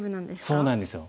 そうなんですよ。